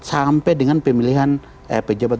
sampai dengan pemilihan pejabat